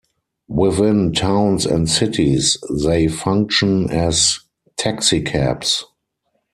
Within towns and cities, they function as taxicabs.